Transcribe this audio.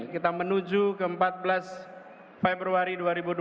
kita menuju ke empat belas februari dua ribu dua puluh